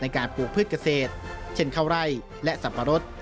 การปลูกพืชเกษตรเช่นข้าวไร่และสับปะรด